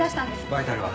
バイタルは？